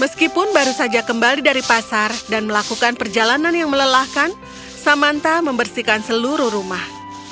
meskipun baru saja kembali dari pasar dan melakukan perjalanan yang melelahkan samantha membersihkan seluruh rumah